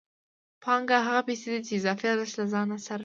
پانګه هغه پیسې دي چې اضافي ارزښت له ځان سره راوړي